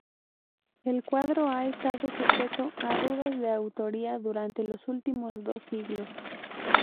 El cuadro ha estado sujeto a dudas de autoría durante los últimos dos siglos.